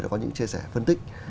đã có những chia sẻ phân tích